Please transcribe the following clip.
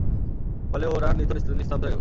ফলে ওরা নিথর নিস্তব্ধ হয়ে গেল।